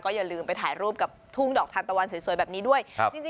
อย่าลืมไปถ่ายรูปกับทุ่งดอกทานตะวันสวยแบบนี้ด้วย